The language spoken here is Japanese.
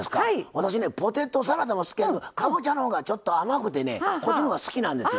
私ねポテトサラダも好きですけどかぼちゃのほうがちょっと甘くてこっちのほうが好きなんですよ。